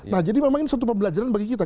nah jadi memang ini satu pembelajaran bagi kita